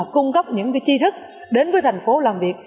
cung cấp những chi thức đến với thành phố làm việc